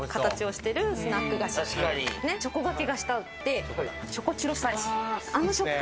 チョコがけしてあって、チョコチュロス味。